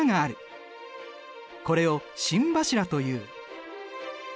これを心柱という。